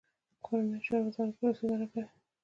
کورنیو چارو وزارت پولیس اداره کوي